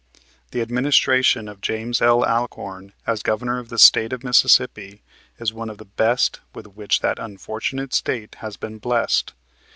The administration of James L. Alcorn as Governor of the State of Mississippi is one of the best with which that unfortunate State has been blessed.